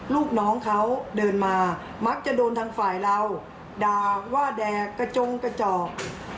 ลูกน้องเขาเดินมามักจะโดนทางฝ่ายเราด่าว่าแดกกระจงกระจอก